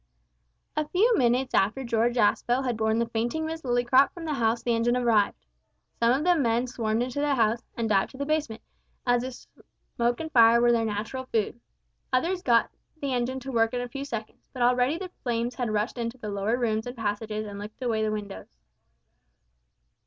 A few minutes after George Aspel had borne the fainting Miss Lillycrop from the house the engine arrived. Some of the men swarmed into the house, and dived to the basement, as if fire and smoke were their natural food. Others got the engine to work in a few seconds, but already the flames had rushed into the lower rooms and passages and licked away the windows.